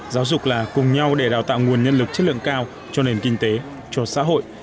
giáo dục là cùng nhau để đào tạo nguồn nhân lực chất lượng cao cho nền kinh tế cho xã hội